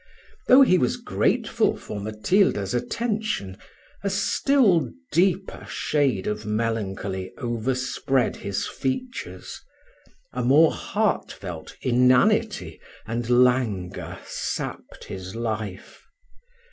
Though he was grateful for Matilda's attention, a still deeper shade of melancholy overspread his features; a more heart felt inanity and languor sapped his life.